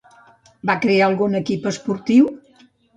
Va crear algun equip esportiu?